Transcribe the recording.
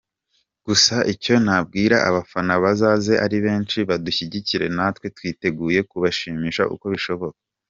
Gusa icyo nabwira abafana bazaze ari benshi badushyigikire natwe twiteguye kubashimisha uko bishoboka.